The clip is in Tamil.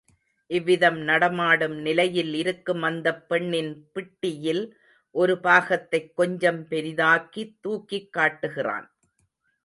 இவ்விதம் நடமாடும் நிலையில் இருக்கும் அந்தப் பெண்ணின் பிட்டியில் ஒரு பாகத்தைக் கொஞ்சம் பெரிதாக்கி தூக்கிக் காட்டுகிறான்.